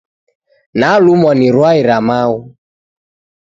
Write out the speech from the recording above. Nalumwa ni rwai ra maghu.